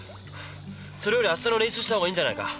それよりあしたの練習したほうがいいんじゃないか？